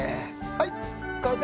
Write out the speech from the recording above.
はい完成！